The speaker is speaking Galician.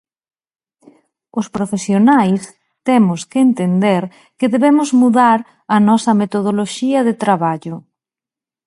Os profesionais temos que entender que debemos mudar a nosa metodoloxía de traballo.